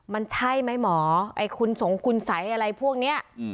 มันใช่ไหมหมอคุณสงค์คุณสัยอะไรพวกเนี่ย